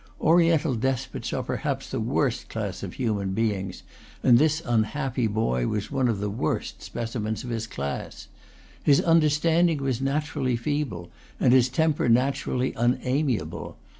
Oriental despots are perhaps the worst class of human beings; and this unhappy boy was one of the worst specimens of his class. His understanding was naturally feeble, and his temper naturally unamiable.